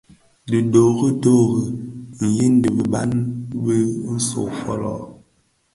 Dhi doodoo yi biban bin nso fōlō.